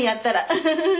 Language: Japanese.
ウフフフ。